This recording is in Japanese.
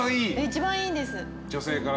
一番いいです。